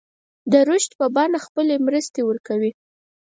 د رشوت په بڼه خپلې مرستې ورکوي.